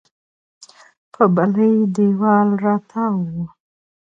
په بلې دېوال راتاو و.